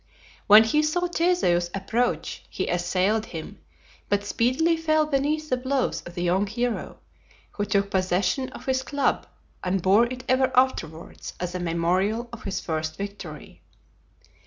When he saw Theseus approach he assailed him, but speedily fell beneath the blows of the young hero, who took possession of his club and bore it ever afterwards as a memorial of his first victory.